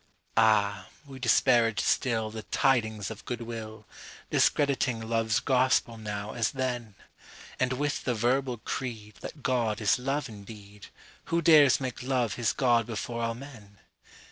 Ah, we disparage stillThe Tidings of Good Will, Discrediting Love's gospel now as then! And with the verbal creedThat God is love indeed, Who dares make Love his god before all men?